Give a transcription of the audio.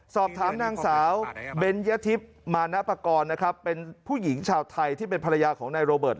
สอบถามหนังสาวเบ้นยฐิบมาแนะปกรณ์เป็นผู้หญิงชาวไทยที่เป็นพรรยาของณโรเบิร์ด